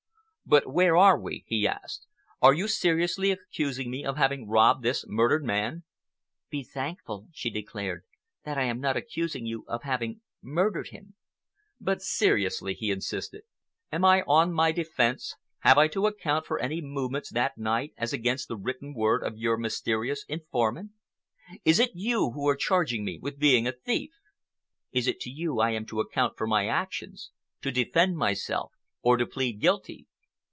"But where are we?" he asked. "Are you seriously accusing me of having robbed this murdered man?" "Be thankful," she declared, "that I am not accusing you of having murdered him." "But seriously," he insisted, "am I on my defence—have I to account for my movements that night as against the written word of your mysterious informant? Is it you who are charging me with being a thief? Is it to you I am to account for my actions, to defend myself or to plead guilty?"